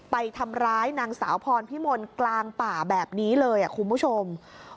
ไปทำร้ายนางสาวพรพิมลกลางป่าแบบนี้เลยคุณผู้ชม